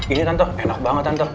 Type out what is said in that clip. ini tante enak banget tante